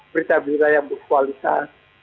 berita berita yang berkualitas